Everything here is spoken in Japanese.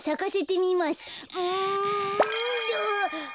うん。